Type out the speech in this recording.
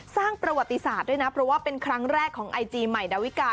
สร้างประวัติศาสตร์ด้วยนะเพราะว่าเป็นครั้งแรกของไอจีใหม่ดาวิกา